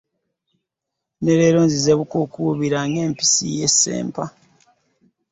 Ne leero nzize bukuukubira ng'empisi y'e Ssempa.